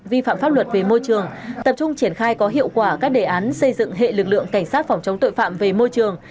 vi phạm pháp luật về môi trường tập trung triển khai có hiệu quả các đề án xây dựng hệ lực lượng cảnh sát phòng chống tội phạm về môi trường